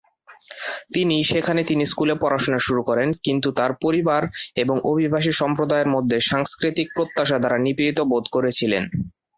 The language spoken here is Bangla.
তিনি সেখানে তিনি স্কুলে পড়াশোনা শুরু করেন, কিন্তু তার পরিবার এবং অভিবাসী সম্প্রদায়ের মধ্যে সাংস্কৃতিক প্রত্যাশা দ্বারা নিপীড়িত বোধ করেছিলেন।